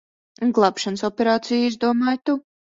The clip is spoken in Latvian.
Glābšanas operāciju izdomāji tu.